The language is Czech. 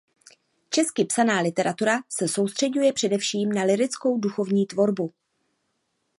Česky psaná literatura se soustřeďuje především na lyrickou duchovní tvorbu.